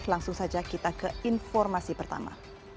langsung saja kita ke informasi pertama